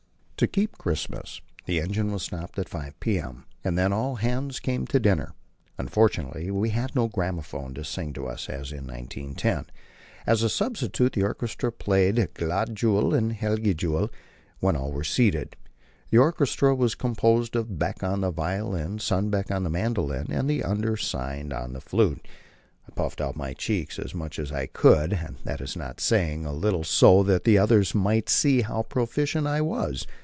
To keep Christmas the engine was stopped at 5 p.m., and then all hands came to dinner. Unfortunately we had no gramophone to sing to us, as in 1910; as a substitute the "orchestra" played "Glade Jul, hellige Jul," when all were seated. The orchestra was composed of Beck on the violin, Sundbeck on the mandolin, and the undersigned on the flute. I puffed out my cheeks as much as I could, and that is not saying a little, so that the others might see how proficient I was.